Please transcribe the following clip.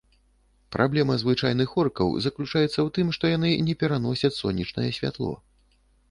Праблема звычайных оркаў заключаецца ў тым, што яны не пераносяць сонечнае святло.